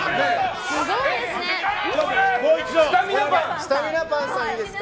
スタミナパンさん、いいですか？